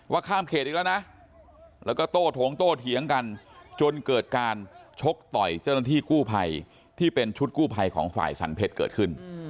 ข้ามเขตอีกแล้วนะแล้วก็โต้โถงโตเถียงกันจนเกิดการชกต่อยเจ้าหน้าที่กู้ภัยที่เป็นชุดกู้ภัยของฝ่ายสรรเพชรเกิดขึ้น